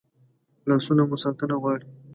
لاسونه مو ساتنه غواړي